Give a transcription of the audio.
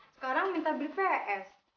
sekarang minta build pes